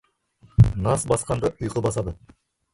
Нас басқанды ұйқы басады.